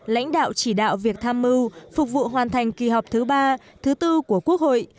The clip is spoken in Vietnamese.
lãnh đạo chỉ đạo việc tham mưu phục vụ hoàn thành kỳ họp thứ ba thứ tư của quốc hội